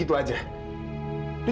tapi adanya diri